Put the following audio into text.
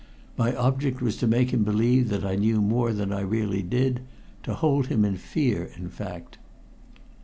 My object was to make him believe that I knew more than I really did to hold him in fear, in fact.